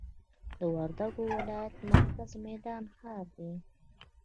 د وردګ ولایت مرکز میدان ښار دی